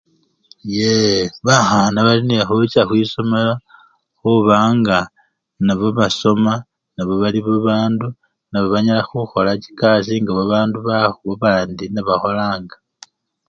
Yeeee bakhana balinekhucha khwisomelo khubanga nabo basoma nabo bali bababdu nabo banyala khukhola chikasii nga bandu bakhu babandi nebakholanga.